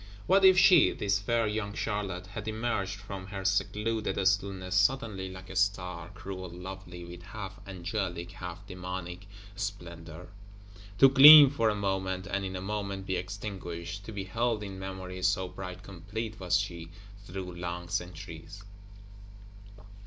What if she, this fair young Charlotte, had emerged from her secluded stillness, suddenly like a Star; cruel lovely, with half angelic, half demonic splendor; to gleam for a moment, and in a moment be extinguished: to be held in memory, so bright complete was she, through long centuries!